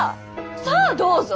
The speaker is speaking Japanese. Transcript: さあどうぞ。